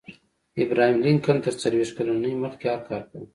ابراهم لينکن تر څلوېښت کلنۍ مخکې هر کار کاوه.